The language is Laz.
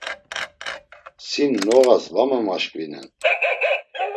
Sin noğas va memaşkvinen.